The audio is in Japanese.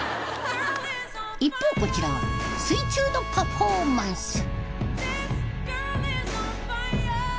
一方こちらは水中のパフォーマンス。